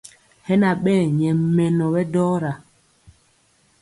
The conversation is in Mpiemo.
Hɛ na ɓɛɛ nyɛ mɛnɔ ɓɛ dɔra.